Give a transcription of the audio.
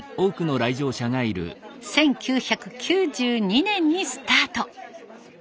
１９９２年にスタート。